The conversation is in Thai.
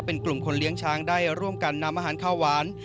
เป็นกลุ่มคนเลี้ยงช้างได้ร่วมกันนำอาหารข้าวหวาน